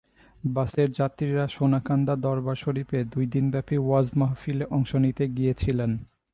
বাসের যাত্রীরা সোনাকান্দা দরবার শরিফে দুই দিনব্যাপী ওয়াজ মাহফিলে অংশ নিতে গিয়েছিলেন।